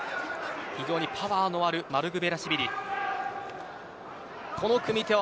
非常にパワーのあるマルグヴェラシビリ。